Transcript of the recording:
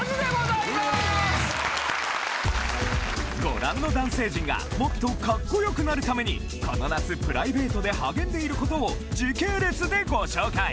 ご覧の男性陣がもっとカッコよくなるためにこの夏プライベートで励んでいることを時系列でご紹介！